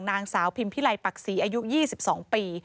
นางสาวพิมพิไลปักศรีอายุ๒๒ปี